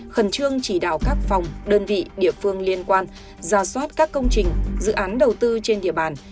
khẩn trương chỉ đạo các phòng đơn vị địa phương liên quan ra soát các công trình dự án đầu tư trên địa bàn